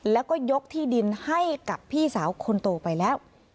แล้วก็ยกที่ดินให้กับพี่สาวคนโตไปแล้ว